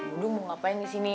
udung mau ngapain di sini